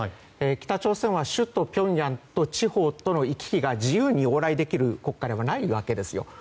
北朝鮮は首都ピョンヤンと地方との行き来が自由に往来できる国家ではないわけです。